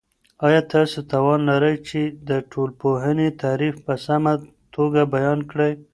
آیا تاسو توان لرئ چې د ټولنپوهنې تعریف په سمه توګه بیان کړئ؟